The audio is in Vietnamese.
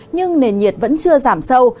nhưng nền nhiệt vẫn chưa giảm sâu